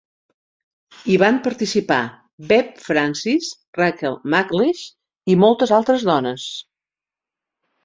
Hi van participar Bev Francis, Rachel McLish i moltes altres dones.